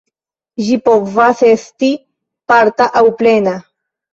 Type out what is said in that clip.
Ĝi povas esti parta aŭ plena.